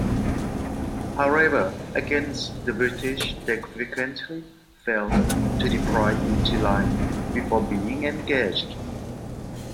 However, against the British they frequently failed to deploy into line before being engaged.